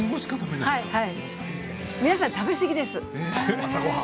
皆さん食べ過ぎです。